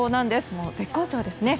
もう絶好調ですね。